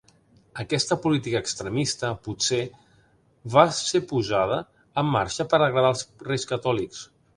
Aquesta política extremista potser va ser posada en marxa per agradar als Reis Catòlics.